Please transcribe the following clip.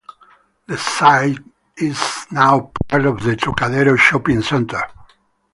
The site is now part of the Trocadero Shopping Centre.